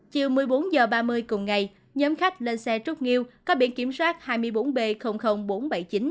chiều một mươi bốn h ba mươi cùng ngày nhóm khách lên xe trúc nghiêu có biển kiểm soát hai mươi bốn b bốn trăm bảy mươi chín